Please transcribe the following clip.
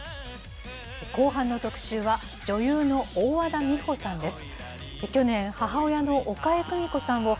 後半の特集は、女優の大和田美帆さんです。